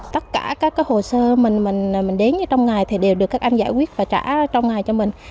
tất cả các hồ sơ mình mình đến trong ngày thì đều được các anh giải quyết và trả trong ngày cho mình